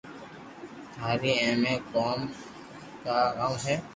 ٿارو اي مي ڪوم ڪاائہ ھي